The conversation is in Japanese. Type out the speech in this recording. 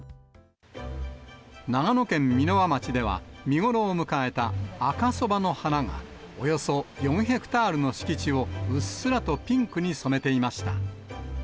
長野県箕輪町では、見頃を迎えた赤そばの花が、およそ４ヘクタールの敷地をうっすらとピンクに染めていました。